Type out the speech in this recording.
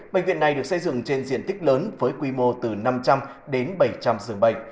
bệnh viện này được xây dựng trên diện tích lớn với quy mô từ năm trăm linh đến bảy trăm linh giường bệnh